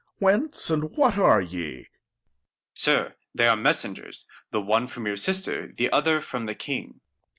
Whence, and what are ye ? Att. Sir, they are Messengers, the one from your Sister, the other from the King.